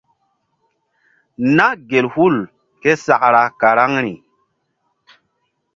Na gel hul késakra karaŋri.